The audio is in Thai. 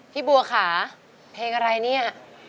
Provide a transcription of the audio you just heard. พี่บัวค่ะเพลงอะไรเนี่ย